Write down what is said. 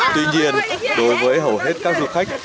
tuy nhiên đối với hầu hết các du khách